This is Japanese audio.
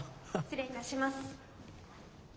失礼いたします。